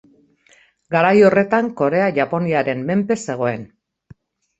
Garai horretan Korea Japoniaren menpe zegoen.